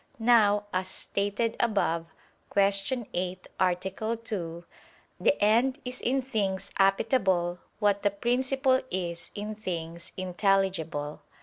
Now, as stated above (Q. 8, A. 2), the end is in things appetible, what the principle is in things intelligible.